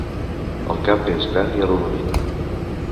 El cap és gran i arrodonit.